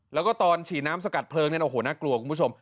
แล้วก็ตอนฉีดน้ำสกัดเพลิงเนี่ยโอ้โหน่ากลัวคุณผู้ชม